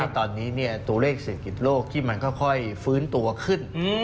ตอนนี้ตัวเลขเศรษฐกิจโลกที่มันค่อยฟื้นตัวขึ้น